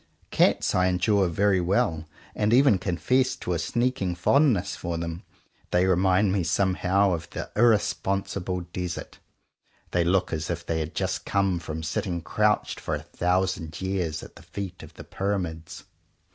Cats I endure very well, and even confess to a sneaking fondness for them. They remind me somehow of the 92 JOHN COWPER POWYS irresponsible desert. They look as if they had just come from sitting crouched for a thousand years at the feet of the Pyramids.